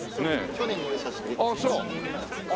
去年入社して２年目なんですけど。